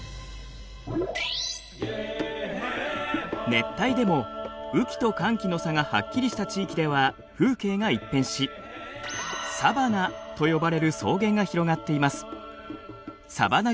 熱帯でも雨季と乾季の差がはっきりした地域では風景が一変しサバナと呼ばれる草原が広がっています。